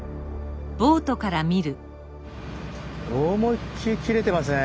思いっきり切れてますね。